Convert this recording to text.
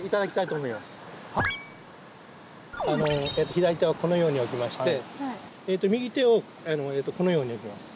左手をこのように置きまして右手をこのように置きます。